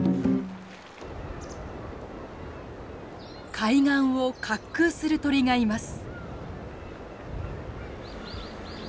海岸を滑空する鳥がいます。